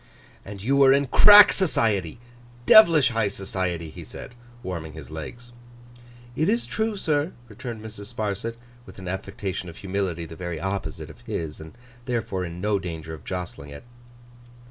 'And you were in crack society. Devilish high society,' he said, warming his legs. 'It is true, sir,' returned Mrs. Sparsit, with an affectation of humility the very opposite of his, and therefore in no danger of jostling it.